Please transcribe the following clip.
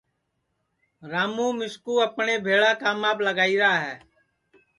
راموں مِسکُو اپٹؔے بھیݪا کاماپ لگائیرا ہے